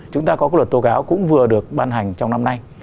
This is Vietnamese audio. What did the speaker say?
chúng ta có cái luật tố cáo cũng vừa được ban hành trong năm nay